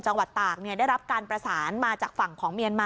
จังหวัดตากเนี่ยได้รับการประสานมาจาก